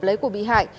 lấy của bị hại